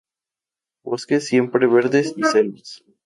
Bosques siempre verdes y selvas.